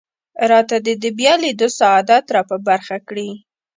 راته دې د بیا لیدو سعادت را په برخه کړي.